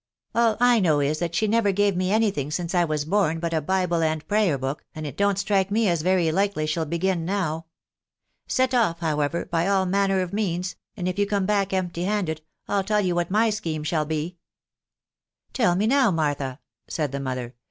" All I know is, that she never gave me any thing since I was born but a Bible and Prayer book, and it don't strike me as very likely she'll begin now. Set off, however, by all manner of means, and if you come back empty handed, I'll tell you what my scheme shall be." " Tell me now, Martha," said the mother.